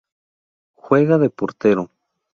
Juega de Portero.